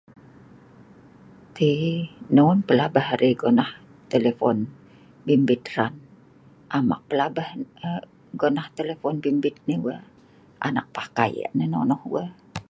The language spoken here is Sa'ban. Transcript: Tiii non pelabeh arai gonah telephone bimbit hran, am ek pelabeh gona telephone bimbit nai wee, an ek pakai nah nonoh wee.